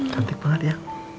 gantik banget ya